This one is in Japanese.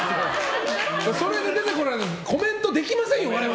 それで出てこられてもコメントできませんよ。